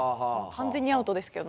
完全にアウトですけどね